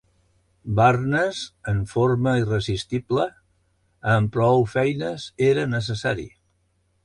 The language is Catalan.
Barnes en forma irresistible, amb prou feines era necessari.